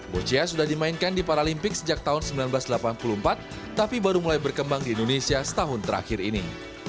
boccia sudah dimainkan di paralimpik sejak tahun seribu sembilan ratus delapan puluh empat tapi baru mulai berkembang di indonesia setahun terakhir ini